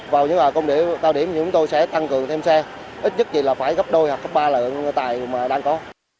vào những công điểm cao điểm chúng tôi sẽ tăng cường thêm xe ít nhất gì là phải gấp đôi hoặc gấp ba lượng tài mà đang có